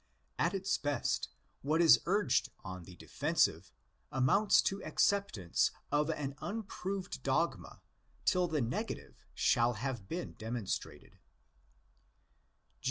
At its best, what is urged on the defensive amounts to acceptance of an unproved dogma till the negative shall have been demonstrated.